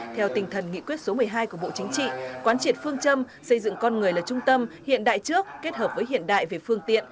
theo tình thần nghị quyết số một mươi hai của bộ chính trị quán triệt phương châm xây dựng con người là trung tâm hiện đại trước kết hợp với hiện đại về phương tiện